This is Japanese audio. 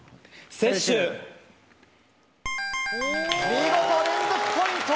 見事連続ポイント！